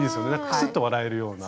クスッと笑えるような。